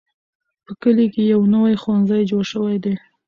په کلي کې یو نوی ښوونځی جوړ شوی دی.